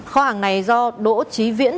kho hàng này do đỗ trí viễn